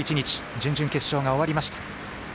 準々決勝が終わりました。